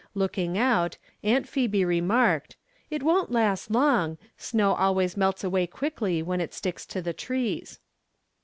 Look ing out. Aunt Phebe remarked :" It won't last long ; snow always melts away quickly when it sticlcs to the trees."